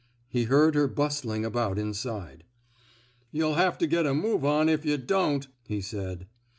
He heard her bus tling about inside. Yuh'll have to get a move on if yuh donH/^ he said.